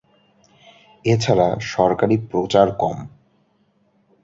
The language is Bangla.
এছাড়া সরকারি প্রচার কম।